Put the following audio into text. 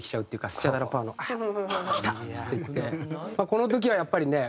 この時はやっぱりね